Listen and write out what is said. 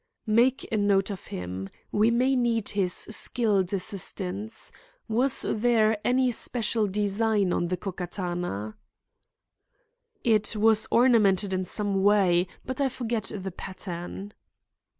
"Make a note of him. We may need his skilled assistance. Was there any special design on the Ko Katana?" "It was ornamented in some way, but I forget the pattern."